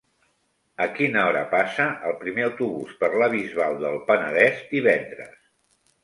A quina hora passa el primer autobús per la Bisbal del Penedès divendres?